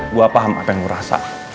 gue paham apa yang gue rasa